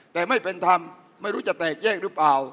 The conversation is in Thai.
แต่ไม่เป็นธรรมไม่รู้จะแตกแยกหรือเปล่า